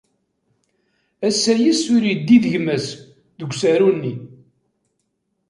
Asayes ur yeddi d gma-s deg usaru-nni.